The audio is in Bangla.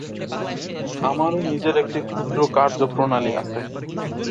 আমারও নিজের একটি ক্ষুদ্র কার্য-প্রণালী আছে।